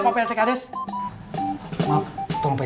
kolom sholatnya juga jangan diisi